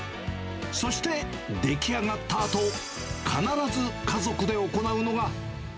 そして、出来上がったあと、必ず家族で行うのが。